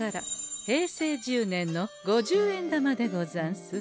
平成１０年の五十円玉でござんす。